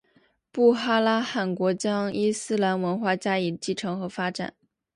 布哈拉汗国将伊斯兰文化加以继承和发展。